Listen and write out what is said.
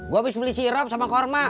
gue abis beli sirup sama korma